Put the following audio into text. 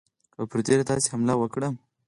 او پر دیر یې داسې حمله وکړه.